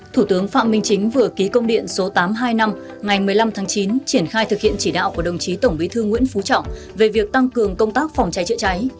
thủ tướng phạm minh chính vừa ký công điện số tám trăm hai mươi năm ngày một mươi năm tháng chín triển khai thực hiện chỉ đạo của đồng chí tổng bí thư nguyễn phú trọng về việc tăng cường công tác phòng cháy chữa cháy